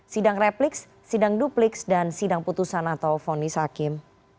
sidang repliks sidang dupliks dan sidang putusan atau fonis hakim